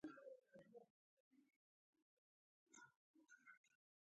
غل د ټولنې اخلاق خرابوي